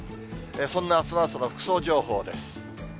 そんなあすの朝の服装情報です。